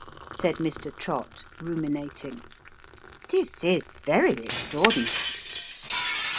" said Mr. Trott, ruminating. " This is very extra ordinary